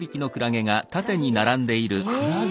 「クラゲ」。